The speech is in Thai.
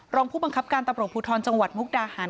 รองผู้บังคับการตำรวจภูทรจังหวัดมุกดาหาร